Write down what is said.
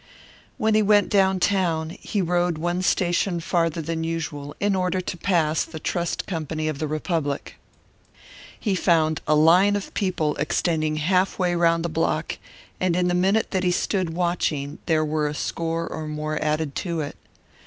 When he went down town, he rode one station farther than usual in order to pass the Trust Company of the Republic. He found a line of people extending halfway round the block, and in the minute that he stood watching there were a score or more added to it.